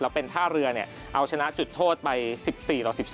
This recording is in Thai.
แล้วเป็นท่าเรือเนี่ยเอาชนะจุดโทษไป๑๔หรือ๑๓